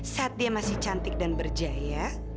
saat dia masih cantik dan berjaya